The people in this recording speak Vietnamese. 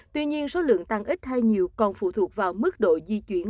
tuy nhiên số lượng tăng ít hay nhiều còn phụ thuộc vào mức độ di chuyển